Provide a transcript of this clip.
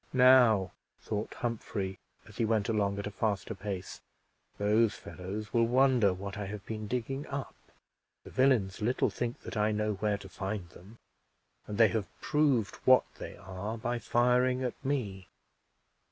"Now," thought Humphrey as he went along at a faster pace, "those fellows will wonder what I have been digging up. The villains little think that I know where to find them, and they have proved what they are by firing at me.